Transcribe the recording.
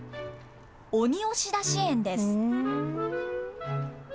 鬼押出し園です。